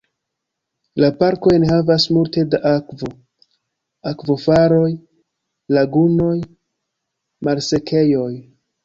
La parko enhavas multe da akvo: akvofaloj, lagunoj, malsekejoj.